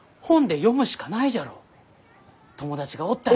友達がおったら。